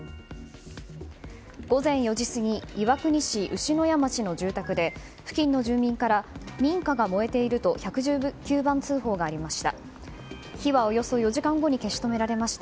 午前４時過ぎ岩国市牛野谷町の住宅で付近の住民から民家が燃えていると１１９番通報がありました。